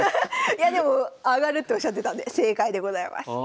いやでも上がるっておっしゃってたんで正解でございます。